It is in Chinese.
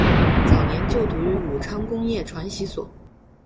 早年就读于武昌工业传习所。